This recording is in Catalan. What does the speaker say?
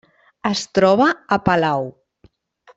Es troba a Palau.